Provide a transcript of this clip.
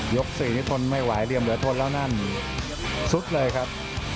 ๔นี้ทนไม่ไหวเหลี่ยมเหลือทนแล้วนั่นสุดเลยครับ